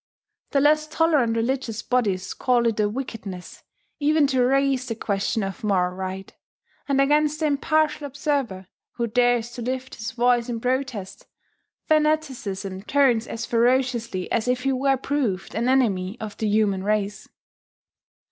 The less tolerant religious bodies call it a wickedness even to raise the question of moral right; and against the impartial observer, who dares to lift his voice in protest, fanaticism turns as ferociously as if he were proved an enemy of the human race.